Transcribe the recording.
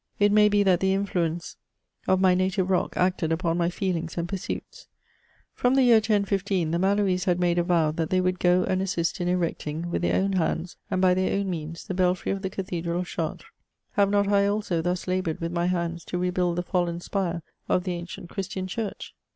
It may be that the influence of my native rock acted tipon my feelings and pursuits. From the year 1015, the Maloese had made a vow that they would go and assist in erecting, with their own hands and by their own means, the belfry of the Cathedral of Chartres : have not I also thus laboured with my hands to rebuild the fallen spire of the ancient Christian Church